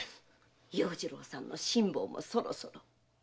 要次郎さんの辛抱もそろそろ。